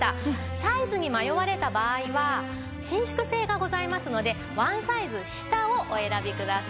サイズに迷われた場合は伸縮性がございますのでワンサイズ下をお選びください。